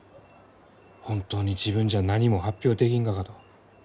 本当に自分じゃ何も発表できんがかと。